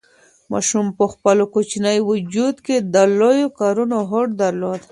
ماشوم په خپل کوچني وجود کې د لویو کارونو هوډ درلود.